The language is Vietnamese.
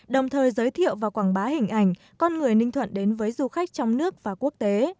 đồng thời giới thiệu và quảng bá hình ảnh con người ninh thuận đến với du khách trong nước và quốc tế